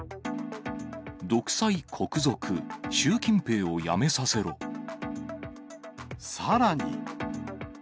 独裁・国賊、習近平を辞めささらに。